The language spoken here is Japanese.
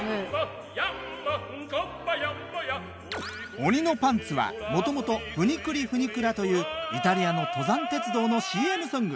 「おにのパンツ」はもともと「フニクリ・フニクラ」というイタリアの登山鉄道のＣＭソング。